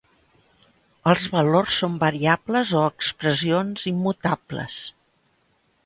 Els valors són variables o expressions immutables.